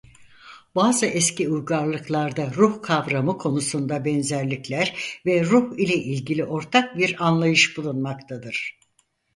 Bazı eski uygarlıklarda ruh kavramı konusunda benzerlikler ve ruh ile ilgili ortak bir anlayış bulunmaktadır.